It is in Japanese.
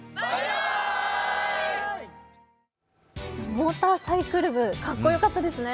モーターサイクル部かっこよかったですね。